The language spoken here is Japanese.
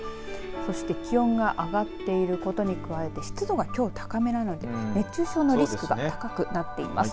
そして気温が上がっていることに加えて湿度がきょう高めなので熱中症のリスクが高くなっています。